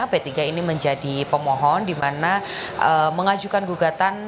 p tiga ini menjadi pemohon di mana mengajukan gugatan